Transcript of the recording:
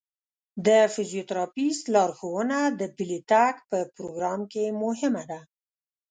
د فزیوتراپیست لارښوونه د پلي تګ په پروګرام کې مهمه ده.